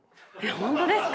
本当ですか。